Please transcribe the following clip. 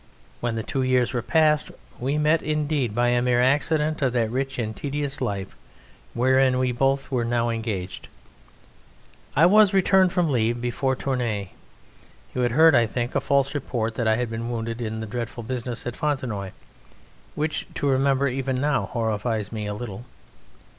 When the two years were passed we met indeed by a mere accident of that rich and tedious life wherein we were both now engaged. I was returned from leave before Tournay; you had heard, I think, a false report that I had been wounded in the dreadful business at Fontenoy (which to remember even now horrifies me a little).